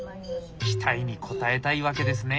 期待に応えたい訳ですね。